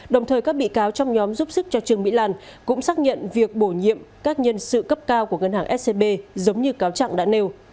đồng thời các bị cáo trong nhóm giúp sức cho trương mỹ lan cũng xác nhận việc bổ nhiệm các nhân sự cấp cao của ngân hàng scb giống như cáo trạng đã nêu